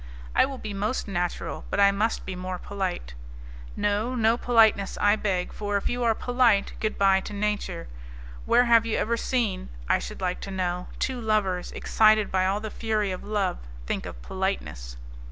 "I will be most natural, but I must be more polite." "No, no politeness, I beg, for if you are polite, goodbye to nature. Where have you ever seen, I should like to know, two lovers, excited by all the fury of love, think of politeness?"